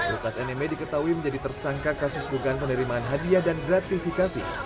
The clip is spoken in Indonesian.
lukas nmb diketahui menjadi tersangka kasus dugaan penerimaan hadiah dan gratifikasi